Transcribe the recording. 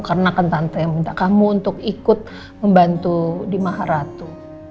karena kan tante yang minta kamu untuk ikut membantu di maharatu